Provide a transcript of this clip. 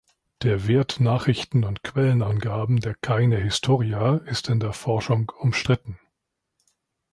Der Wert Nachrichten und Quellenangaben der "Kaine Historia" ist in der Forschung umstritten.